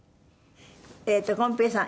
えっとこん平さん